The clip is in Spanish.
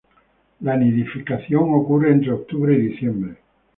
La nidificación ocurre entre octubre y diciembre.